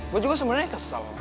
gua juga sebenernya kesel